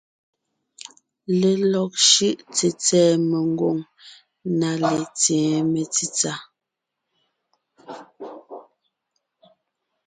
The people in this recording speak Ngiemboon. Lelɔg shʉ́ʼ tsètsɛ̀ɛ mengwòŋ na letseen metsítsà.